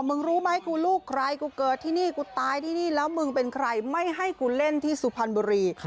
มึงรู้ไหมกูลูกใครกูเกิดที่นี่กูตายที่นี่แล้วมึงเป็นใครไม่ให้กูเล่นที่สุพรรณบุรี